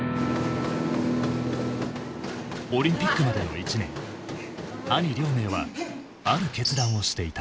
オリンピックまでの１年兄亮明はある決断をしていた。